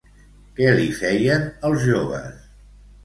Què li feien els joves?